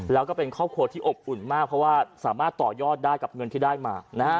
แล้วก็เป็นครอบครัวที่อบอุ่นมากเพราะว่าสามารถต่อยอดได้กับเงินที่ได้มานะฮะ